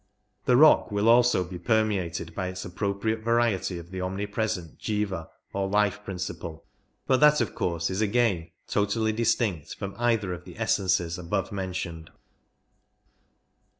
The rock will also be permeated by its appropriate variety of the omnipresent Jiva or life principle, but that of course is again totally distinct from either of the essences above mentioned.